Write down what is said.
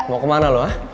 mau kemana lo ah